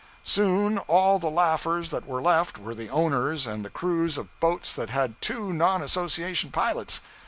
Soon all the laughers that were left were the owners and crews of boats that had two non association pilots.